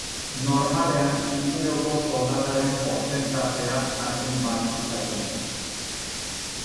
Normalean hileroko soldataren portzentajea jakin bat izaten da.